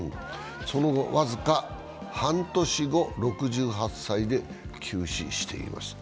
その僅か半年後、６８歳で急死しています。